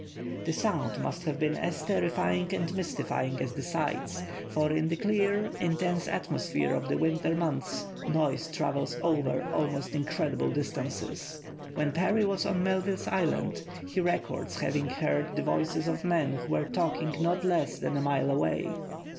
The sounds must have been as terrifying and mystifying as the sights, for in the clear, intense atmosphere of the winter months, noise travels over almost incredible distances. When Parry was on Melville's Island, he records having heard the voices of men who were talking not less than a mile away.